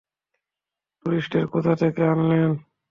টুরিস্টদের কোত্থেকে আনলেন?